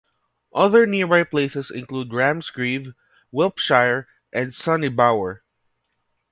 Other nearby places include Ramsgreave, Wilpshire and Sunnybower.